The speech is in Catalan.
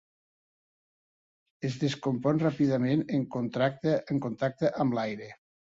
Es descompon ràpidament en contacte amb l'aire.